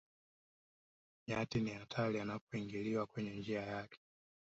nyati ni hatari anapoingiliwa kwenye njia yake